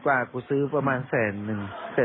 อื้อคือไม่เท่าไหร่